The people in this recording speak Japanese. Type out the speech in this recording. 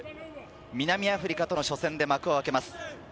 南アフリカとの初戦で幕を開けます。